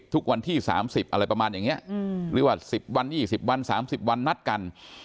ทุกวันที่๓๐อะไรประมาณอย่างนี้หรือว่า๑๐วัน๒๐วัน๓๐วันนัดกัน